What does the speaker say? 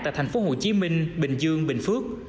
tại thành phố hồ chí minh bình dương bình phước